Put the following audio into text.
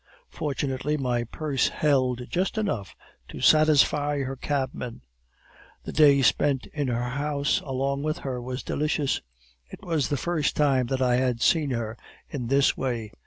"Fortunately, my purse held just enough to satisfy her cab man. The day spent in her house, alone with her, was delicious; it was the first time that I had seen her in this way.